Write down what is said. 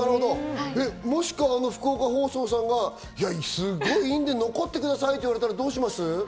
もし福岡放送さんがすごい良いんで残ってくださいって言われたらどうします？